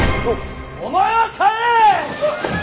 お前は帰れ！